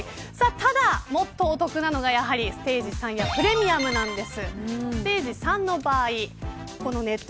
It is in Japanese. ただ、もっとお得なのがステージ３やプレミアムなんです。